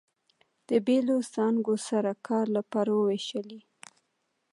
د بېلو څانګو سره کار لپاره ووېشلې.